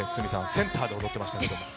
センターで踊ってましたけども。